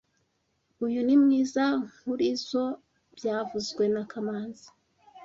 Uyu ni mwiza nkurizoa byavuzwe na kamanzi